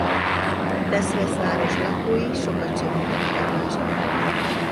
Tesz-Vesz város lakói sokat segítenek egymásnak.